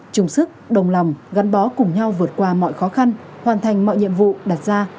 chung sức đồng lòng gắn bó cùng nhau vượt qua mọi khó khăn hoàn thành mọi nhiệm vụ đặt ra